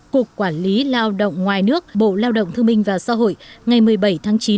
cục quản lý lao động ngoài nước bộ lao động thương minh và xã hội ngày một mươi bảy tháng chín